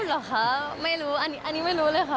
เหรอคะไม่รู้อันนี้ไม่รู้เลยค่ะ